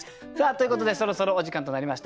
ということでそろそろお時間となりました。